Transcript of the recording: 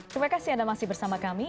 terima kasih anda masih bersama kami